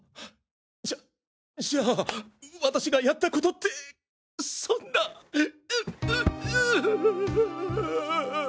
じゃじゃあ私がやったことってそんなううぅ。